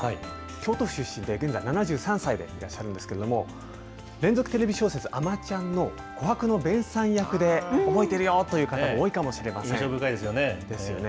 京都府出身で、現在７３歳でいらっしゃるんですけれども、連続テレビ小説あまちゃんの、こはくの勉さん役で、覚えてるよと印象深いですよね。ですよね。